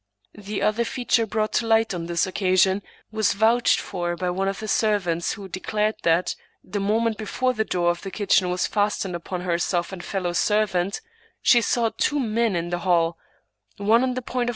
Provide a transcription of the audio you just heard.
The other feature brought to light on this occasion was vouched for "by one of the servants, who declared that, the moment before the door of the kitchen was fastened upon herself and fellow servant, she saw two men in the hall, one on the point of